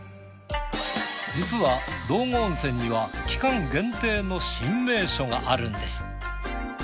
実は道後温泉には期間限定の新名所があるんです。